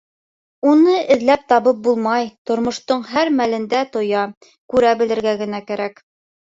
Уны эҙләп табып булмай, тормоштоң һәр мәлендә тоя, күрә белергә генә кәрәк.